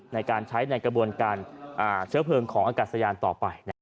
ในการใช้ในกระบวนการเชื้อเพลิงของอากาศยานต่อไป